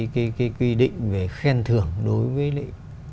cái quy định về khen thưởng đối với lệ